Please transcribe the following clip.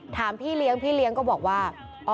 พี่เลี้ยงพี่เลี้ยงก็บอกว่า